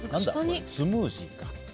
スムージーか。